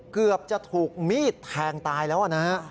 เกือบจะถูกมีดแทงตายแล้วนะฮะ